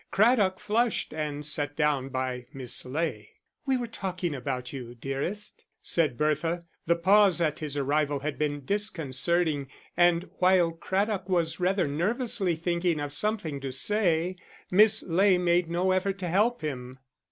Craddock flushed, and sat down by Miss Ley. "We were talking about you, dearest," said Bertha. The pause at his arrival had been disconcerting, and while Craddock was rather nervously thinking of something to say, Miss Ley made no effort to help him.